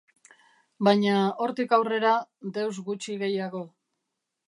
Baina, hortik aurrera, deus gutxi gehiago.